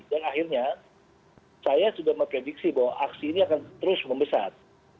dan akhirnya saya sudah memprediksi bahwa aksi ini akan terus membesar